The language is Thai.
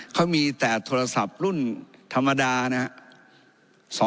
เขามีแต่โทรศัพท์รุ่นธรรมดานะครับ